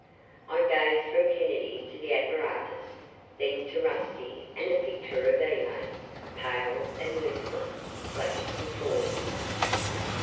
I gazed from Kennedy to the apparatus, then to Rusty and a picture of Elaine, pale and listless, flashed before me.